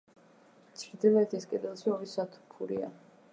ჩრდილოეთის კედელში ორი სათოფურია.